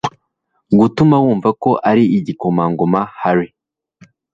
gutuma wumva ko ari igikomangoma harry